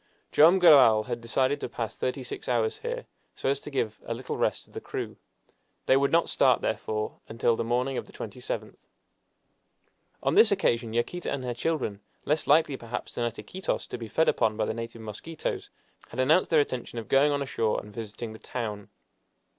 Joam Garral had decided to pass thirty six hours here, so as to give a little rest to the crew. They would not start, therefore, until the morning of the 27th. On this occasion Yaquita and her children, less likely, perhaps, than at Iquitos to be fed upon by the native mosquitoes, had announced their intention of going on ashore and visiting the town.